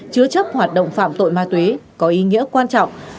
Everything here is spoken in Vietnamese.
chứa chấp hoạt động phạm tội ma túy có ý nghĩa quan trọng